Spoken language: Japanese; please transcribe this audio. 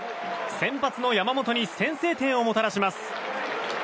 先発の山本に先制点をもたらします。